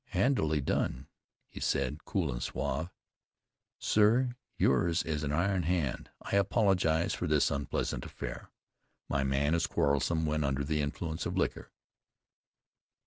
"Handily done," he said, cool and suave. "Sir, yours is an iron hand. I apologize for this unpleasant affair. My man is quarrelsome when under the influence of liquor."